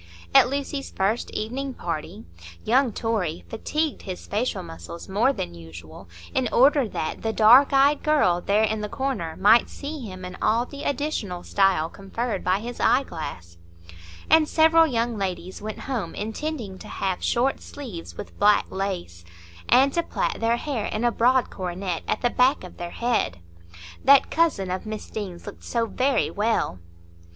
At Lucy's first evening party, young Torry fatigued his facial muscles more than usual in order that "the dark eyed girl there in the corner" might see him in all the additional style conferred by his eyeglass; and several young ladies went home intending to have short sleeves with black lace, and to plait their hair in a broad coronet at the back of their head,—"That cousin of Miss Deane's looked so very well."